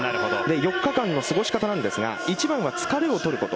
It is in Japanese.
４日間の過ごし方ですが一番は疲れを取ること。